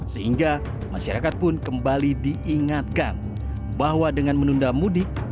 sehingga masyarakat pun kembali diingatkan bahwa dengan menunda mudik